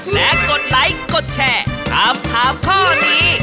และกดไลค์กดแชร์ถามถามข้อนี้